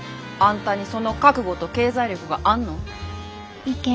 あんたにその覚悟と経済力があんの？